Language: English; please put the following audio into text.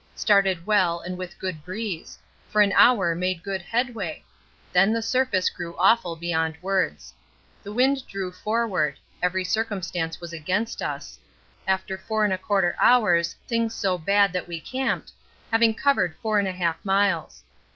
Started well and with good breeze; for an hour made good headway; then the surface grew awful beyond words. The wind drew forward; every circumstance was against us. After 4 1/4 hours things so bad that we camped, having covered 4 1/2 miles.